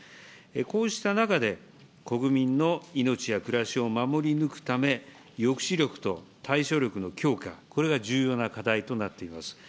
こうした中で、国民の命や暮らしを守り抜くため、抑止力と対処力の強化、これが重要な課題となっております。